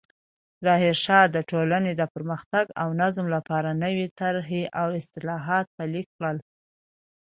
ظاهرشاه د ټولنې د پرمختګ او نظم لپاره نوې طرحې او اصلاحات پلې کړل.